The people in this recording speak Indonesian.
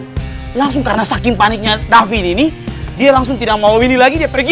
itu ada warung langsung karena saking paniknya davini dia langsung tidak mau ini lagi dia pergi